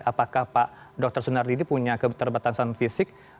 apakah pak dr sunardi ini punya keterbatasan fisik